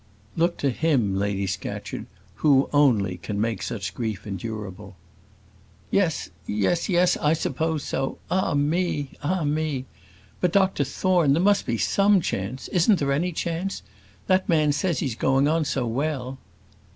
"Look to Him, Lady Scatcherd, who only can make such grief endurable." "Yes, yes, yes; I suppose so. Ah me! ah me! But, Dr Thorne, there must be some chance isn't there any chance? That man says he's going on so well."